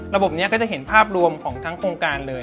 ระบบนี้ก็จะเห็นภาพรวมของของการเลย